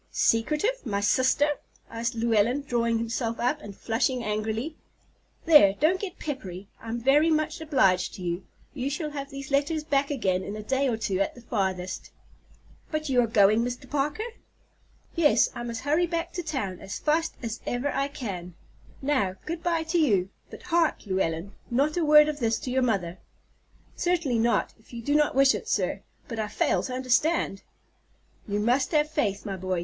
"Secretive! My sister?" said Llewellyn, drawing himself up and flushing angrily. "There, don't get peppery. I'm very much obliged to you. You shall have these letters back again in a day or two at the farthest." "But are you going, Mr. Parker?" "Yes; I must hurry back to town as fast as ever I can. Now, good by to you; but hark, Llewellyn, not a word of this to your mother." "Certainly not, if you do not wish it, sir; but I fail to understand." "You must have faith, my boy.